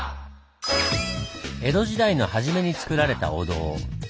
江戸時代の初めに造られたお堂。